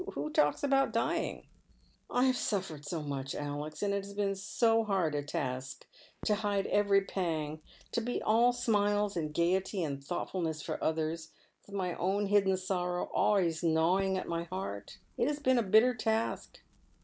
Who talks about dying ?"" I have suffered so much, Alex, and it has been so hard a task to hide' every pang — to be all smiles, and gaiety, and thought fulness for others, with my own hidden sorrow alwaj's gnawing at my heart. It has been a bitter task.